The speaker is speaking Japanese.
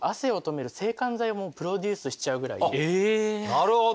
なるほど。